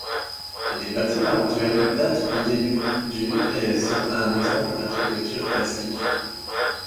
Les bâtiments actuels datent du début du et sont un exemple d'architecture classique.